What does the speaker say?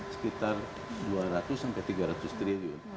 sekitar dua ratus sampai tiga ratus triliun